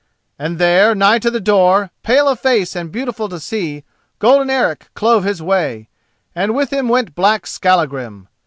And there, nigh to the door, pale of face and beautiful to see, golden Eric clove his way, and with him went black Skallagrim.